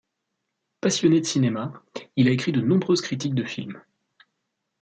Passionné de cinéma, il a écrit de nombreuses critiques de films.